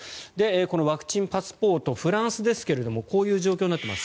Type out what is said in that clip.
このワクチンパスポートフランスですけれどもこういう状況になっています。